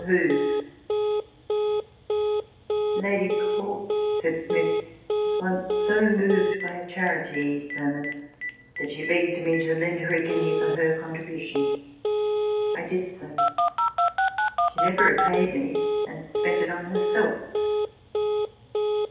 TABLE TALK OF SAMUEL ROGERS 229 " Lady Cork," said Smith, " was once so moved by a charity sermon, that she begged me to lend her a guinea for her contribution. I did so. She never repaid me, and spent it on herself."